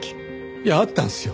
いやあったんですよ。